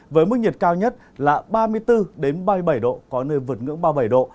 với mức nhiệt cao nhất là ba mươi bốn ba mươi bảy độ có nơi vượt ngưỡng ba mươi bảy độ